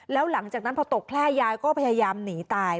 แล้วหลังจากนั้นพอตกแคล่ยายก็พยายามหนีตาย